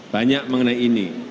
banyak mengenai ini